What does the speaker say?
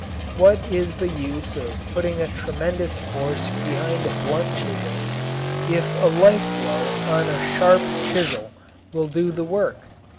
What is the use of putting a tremendous force behind a blunt chisel if a light blow on a sharp chisel will do the work?